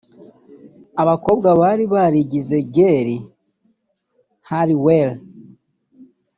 Abakobwa bari barigize Geri Halliwell